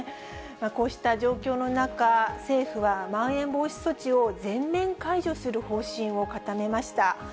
こうした状況の中、政府はまん延防止措置を全面解除する方針を固めました。